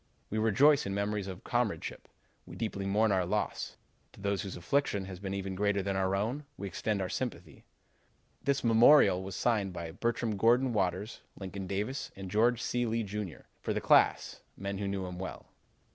We rejoice in memories of his comradeship; we deeply mourn our loss. To those whose affliction has been even greater than our own, we extend our sympathy.' This memorial was signed by Bertram Gordon Waters, Lincoln Davis, and George C. Lee, Jr., for the class, men who knew him well.